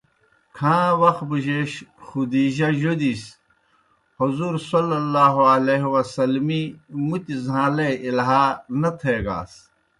کھاں وخ بُجَیش خدیجہؓ جودِس حضورؐ ایْ مُتیْ زہان٘لے اِلہا نہ تھیگاس۔